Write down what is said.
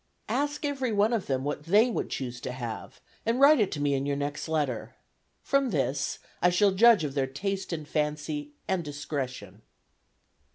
Ask everyone of them what they would choose to have, and write it to me in your next letter. From this I shall judge of their taste and fancy and discretion."